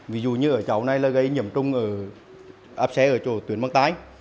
ví dụ như ở cháu này là gây nhiễm trung áp xé ở chỗ tuyến bằng tay